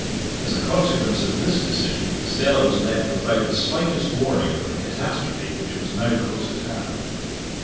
As a consequence of this decision, Stella was left without the slightest warning of the catastrophe which was now close at hand.